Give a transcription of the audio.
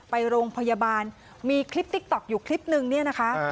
ไปโรงพยาบาลมีคลิปติ๊กต๊อกอยู่คลิปนึงเนี่ยนะคะ